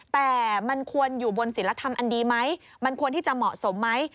แต่มันควรอยู่บนศิลธรรมอันดีไหมมันควรที่จะเหมาะสมไหม